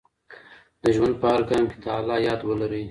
د ژوند په هر ګام کي د الله یاد ولرئ.